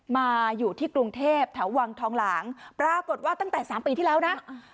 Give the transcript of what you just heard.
มาอยู่ที่กรุงเทพแถววังทองหลางปรากฏว่าตั้งแต่๓ปีที่แล้วนะ